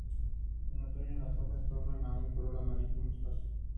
En otoño, las hojas tornan a un color amarillo mostaza.